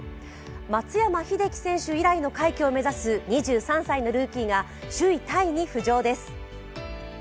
松山英樹選手以来の快挙を目指す２３歳のルーキーが首位タイに浮上です。